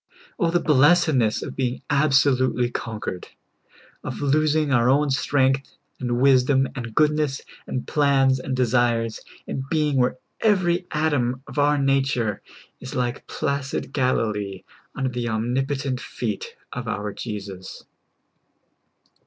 Oh, the blessedness of being absolutely conquered ! of losing our own strength, and wisdom, and goodness, and plans, and desires, and being where every atom of our nature is like placid Galilee under the omnipotent feet of our Jesus.